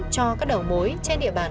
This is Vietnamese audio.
do các đầu mối trên địa bàn